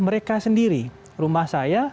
mereka sendiri rumah saya